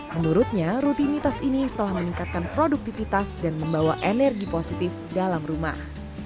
menurutnya rutinitas ini telah meningkatkan produktivitas dan membawa energi positif dalam rumah